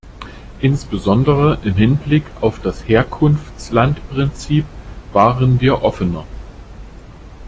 Insbesondere im Hinblick auf das Herkunftslandprinzip waren wir offener.